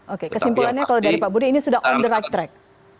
oke kesimpulannya kalau dari pak budi ini sudah on the right track